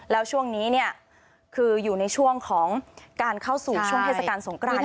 แล้วช่วงนี้เนี่ยคืออยู่ในช่วงของการเข้าสู่ช่วงเทศกาลสงกราน